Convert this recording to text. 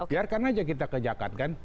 biarkan aja kita ke jakarta kan